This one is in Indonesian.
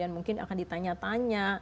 mungkin akan ditanya tanya